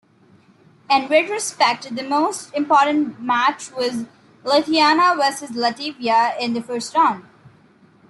In retrospect, the most important match was Lithuania versus Latvia in the first round.